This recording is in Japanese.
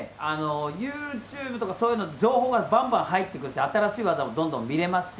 ユーチューブとか、そういうので情報がばんばん入ってくるし、新しい技もどんどん見れますし。